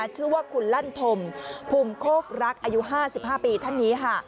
ชื่อว่าคุณลั่นธมภูมิโคกรักอายุ๕๕ปีท่านนี้ค่ะ